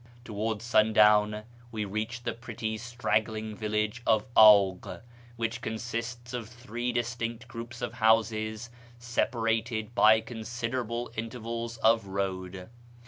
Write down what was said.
Towards sundown we reached the pretty straggling village of Agh, which consists of three distinct groups of houses separ ated by considerable intervals of road.